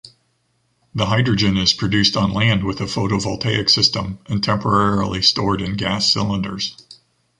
The hydrogen is produced on land with a photovoltaic system and temporarily stored in gas cylinders.